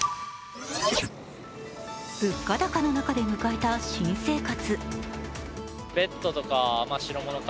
物価高の中で迎えた新生活。